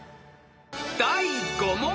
［第５問。